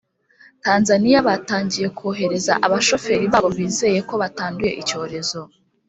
tanzaniya batangiye kohereza abashoferi babo bizeye ko batanduye icyorezo